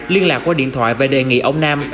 liên lạc qua điện thoại và đề nghị ông nam